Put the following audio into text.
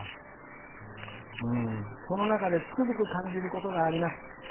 その中でつくづく感じることがあります。